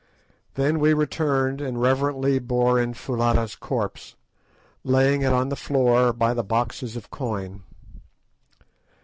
Then we returned and reverently bore in Foulata's corpse, laying it on the floor by the boxes of coin.